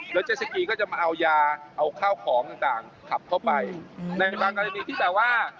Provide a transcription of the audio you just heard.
แล้วเจสสกีก็จะมาเอายาเอาข้าวของต่างต่างขับเข้าไปในบางกรณีที่แปลว่า